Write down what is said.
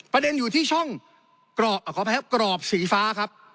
ประเด็นอยู่ที่ช่องกรอบสีฟ้า